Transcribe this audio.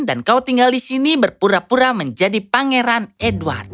dan kau tinggal di sini berpura pura menjadi pangeran edward